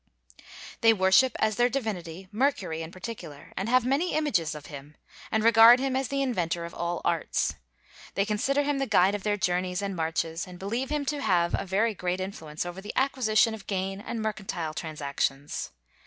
They worship as their divinity Mercury in particular, and have many images of him, and regard him as the inventor of all arts; they consider him the guide of their journeys and marches, and believe him to have very great influence over the acquisition of gain and mercantile transactions.